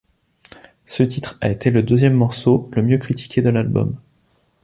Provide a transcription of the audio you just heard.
Ce titre a été le deuxième morceau le mieux critiqué de l'album.